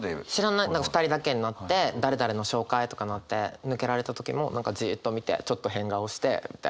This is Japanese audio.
２人だけになって誰々の紹介とかなって抜けられた時も何かじっと見てちょっと変顔してみたいな。